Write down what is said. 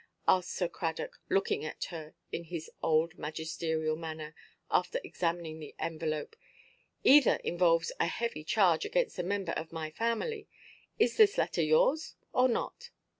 asked Sir Cradock, looking at her in his old magisterial manner, after examining the envelope; "either involves a heavy charge against a member of my family. Is this letter yours, or not?"